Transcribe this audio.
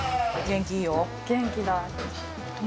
元気いいよ。元気だ。